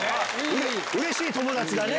うれしい友達だね。